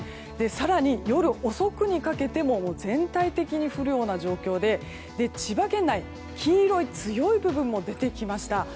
更に夜遅くにかけても全体的に降るような状況で千葉県内、黄色い強い部分も出てきました。